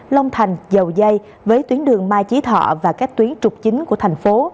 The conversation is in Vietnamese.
long thành dầu dây với tuyến đường mai chí thọ và các tuyến trục chính của thành phố